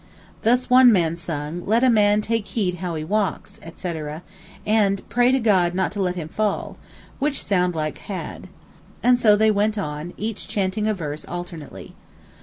Thus one sung: 'Let a man take heed how he walks,' etc., etc.; and 'pray to God not to let him fall,' which sound like Had. And so they went on, each chanting a verse alternately.